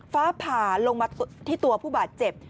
ฟ้าผ่าลงมาที่ตัวผู้บาดเจ็บ